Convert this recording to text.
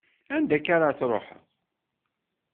Anda akka ar ad tṛuḥeḍ?